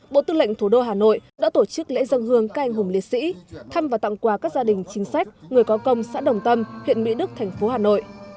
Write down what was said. bộ tư lệnh thủ đô hà nội đã tổ chức lễ dân hương các anh hùng liệt sĩ thăm và tặng quà các gia đình chính sách người có công xã đồng tâm huyện mỹ đức thành phố hà nội